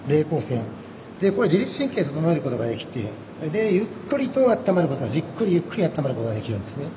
これは自律神経整えることができてでゆっくりとあったまることじっくりゆっくりあったまることができるんですね。